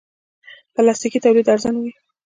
پلاستيکي تولید ارزانه وي.